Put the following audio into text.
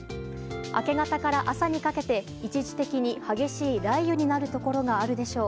明け方から朝にかけて一時的に激しい雷雨になるところがあるでしょう。